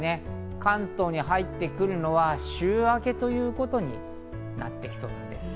関東に入ってくるのは週明けということになってきそうなんです。